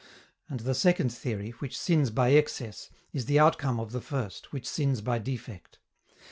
And the second theory, which sins by excess, is the outcome of the first, which sins by defect.